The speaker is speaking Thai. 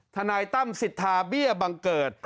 ทนายตั้มสิทธาเบี้ยบังเกิด